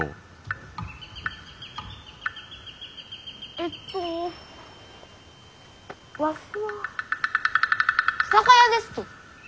えっとわしは酒屋ですき。